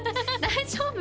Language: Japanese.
大丈夫？